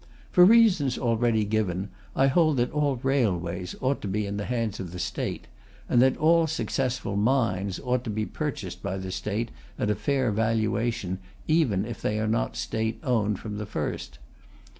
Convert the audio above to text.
For reasons already given, I hold that all railways ought to be in the hands of the State, and that all successful mines ought to be purchased by the State at a fair valuation, even if they are not State owned from the first.